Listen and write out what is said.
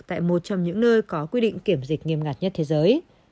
tại một trong những nơi có quy định kiểm dịch nghiêm ngặt nhất thế giới